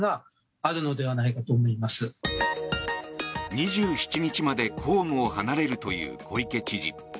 ２７日まで公務を離れるという小池知事。